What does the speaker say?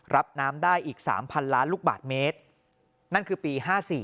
รับน้ำได้อีก๓๐๐ล้านลูกบาทเมตรนั่นคือปี๕๔